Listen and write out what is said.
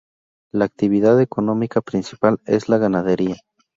La actividad económica principal es la ganadería.